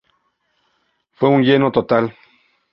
Fue un lleno total.